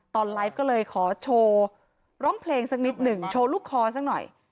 ตอนไลฟ์ก็เลยขอโชว์ร้องเพลงสักนิดหนึ่งโชว์ลูกคอสักหน่อย